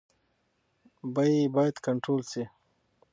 بیې باید کنټرول شي.